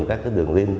các cái đường link